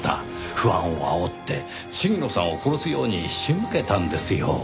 不安をあおって鴫野さんを殺すように仕向けたんですよ。